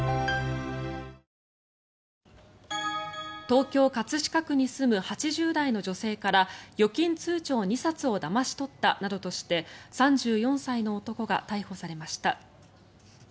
東京・葛飾区に住む８０代の女性から預金通帳２冊をだまし取ったなどとして３４歳の男が逮捕されました。